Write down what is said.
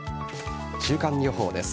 週間予報です。